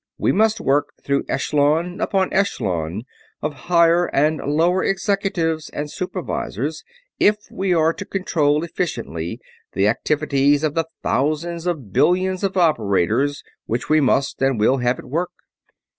We must work through echelon upon echelon of higher and lower executives and supervisors if we are to control efficiently the activities of the thousands of billions of operators which we must and will have at work.